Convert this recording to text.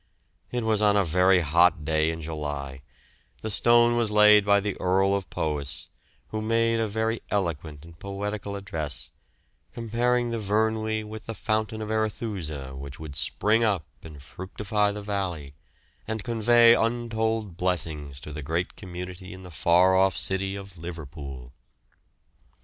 It was on a very hot day in July; the stone was laid by the Earl of Powis, who made a very eloquent and poetical address, comparing the Vyrnwy with the fountain of Arethusa which would spring up and fructify the valley, and convey untold blessings to the great community in the far off city of Liverpool.